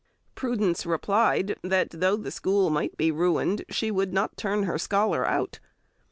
Prudence replied, that though the school might be ruined she would not turn her scholar out.